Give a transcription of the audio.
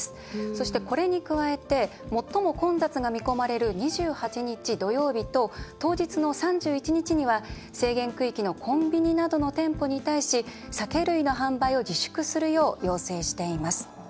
そして、これに加えて最も混雑が見込まれる２８日、土曜日と当日の３１日には制限区域のコンビニなどの店舗に対し酒類の販売を自粛するよう要請しています。